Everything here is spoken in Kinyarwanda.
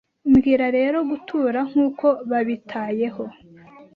Mbwira rero gutura nkuko babitayeho